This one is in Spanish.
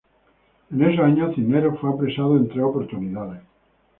En esos años Cisneros fue apresado en tres oportunidades.